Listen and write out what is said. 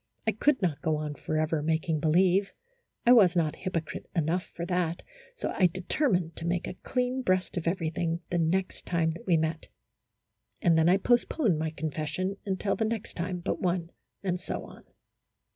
I could not go on forever making believe, I was not hypocrite enough for that, so I determined to make a clean breast of everything the next time that we met. And then I postponed my confession until the next time but one, and so on.